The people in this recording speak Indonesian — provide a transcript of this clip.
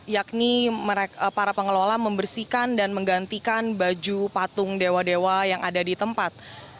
yakni para pengelola membersihkan dan menggantikan baju patung dewa dewa yang ada di tempat